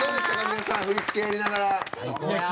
皆さん振り付け、やりながら。